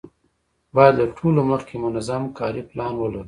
باید له ټولو مخکې منظم کاري پلان ولرو.